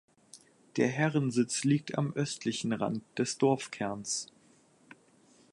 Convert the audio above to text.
Der Herrensitz liegt am östlichen Rand des Dorfkerns.